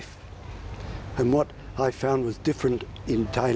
เจอกันความว่าไม่แค่เวลาเผาไหว